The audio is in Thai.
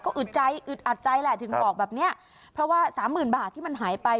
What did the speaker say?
ก็อึดใจอึดอัดใจแหละถึงบอกแบบเนี้ยเพราะว่าสามหมื่นบาทที่มันหายไป